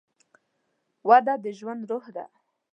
وده د ژوند روح ده.